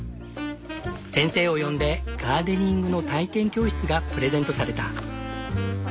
先生を呼んでガーデニングの体験教室がプレゼントされた。